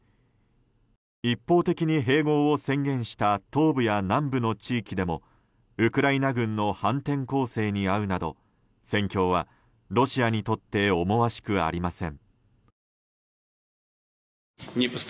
一方的に併合を宣言した東部や南部の地域でもウクライナ軍の反転攻勢に遭うなど戦況はロシアにとって思わしくありません。